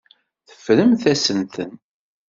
Teffremt-asen-ten.